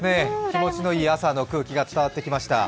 気持ちいい朝の風景が伝わってきました。